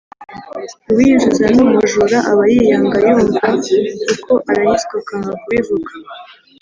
uwiyuzuza n’umujura aba yiyanga, yumva uko arahizwa akanga kubivuga